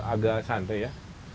agak santai ya